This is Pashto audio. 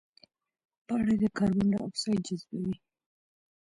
پاڼې د کاربن ډای اکساید جذبوي